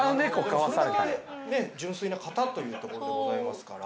それだけね純粋な方というところでございますから。